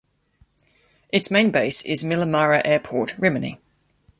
Its main base is Miramare Airport, Rimini.